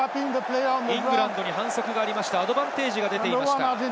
イングランドに反則がありました、アドバンテージが出ていました。